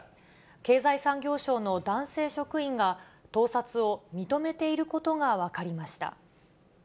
経済産業省の男性職員が、盗撮を認めていることが分かりました。